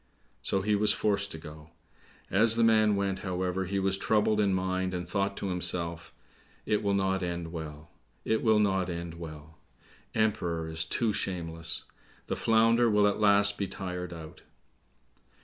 So he was forced to go. As the man went, however, he was troubled in mind, and thought to himself, "It will not end well; it will not end well! Emperor is too shameless! The Flounder will at last be tired out."